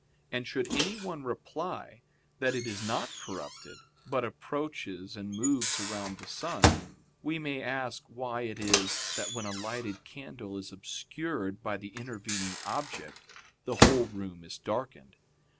And should anyone reply that it is not corrupted, but approaches and moves around with the sun, we may ask why it is that when a lighted candle is obscured by the intervening object the whole room is darkened?